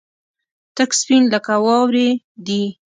تک سپين لکه واورې دي.